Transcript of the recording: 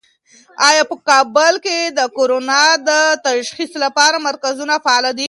آیا په کابل کې د کرونا د تشخیص لپاره مرکزونه فعال دي؟